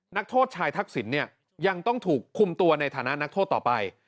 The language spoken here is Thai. นักโทษชายทักษิณเนี่ยยังต้องถูกคุมตัวในฐานะนักโทษต่อไป